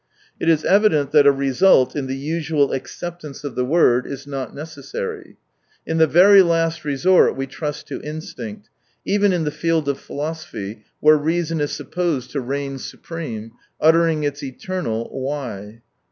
It is evident that a result — in the usual accept ance of the word— is not necessary. In the very last resort we trust to instinct, even in the field of philosophy, where reason is supposed to reign supreme, uttering its eternal " Why